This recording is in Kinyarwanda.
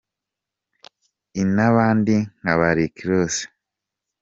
I n’abandi nka ba Rick Ross.